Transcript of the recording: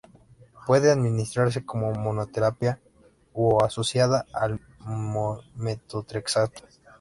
Puede administrarse como monoterapia o asociada al metotrexato.